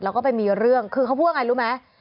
แล้วก็ไปมีเรื่องคือเขาพูดว่าไงรู้ไหม